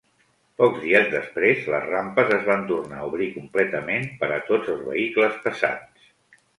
Pocs dies després, les rampes es van tornar a obrir completament per a tots els vehicles pesants.